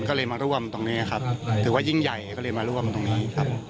ก็เลยมาร่วมตรงนี้ครับถือว่ายิ่งใหญ่ก็เลยมาร่วมตรงนี้ครับ